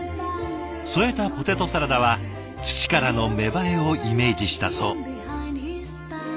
添えたポテトサラダは土からの芽生えをイメージしたそう。